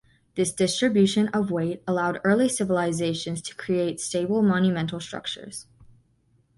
This distribution of weight allowed early civilizations to create stable monumental structures.